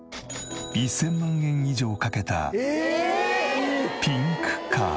１０００万円以上かけたピンクカー。